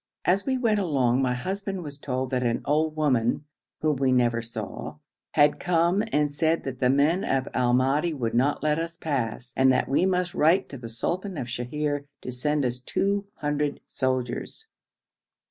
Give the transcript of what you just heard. As we went along my husband was told that an old woman (whom we never saw) had come and said that the men of Al Madi would not let us pass, and that we must write to the sultan of Sheher to send us two hundred soldiers.